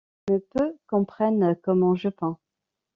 Mais peu comprennent comment je peins.